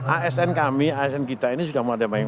asn kami asn kita ini sudah mau ada banyak